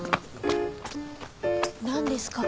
何ですか？